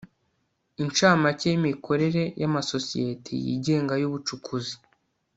incamake y'imikorere y'amasosiyete yigenga y'ubucukuzi